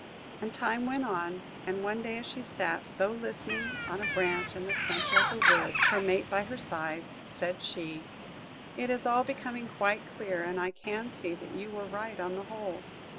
And time went on: and one day as she sat, so listening, on a branch in the centre of the wood, her mate by her side, said she, "It is all becoming quite clear, and I can see that you were right on the whole.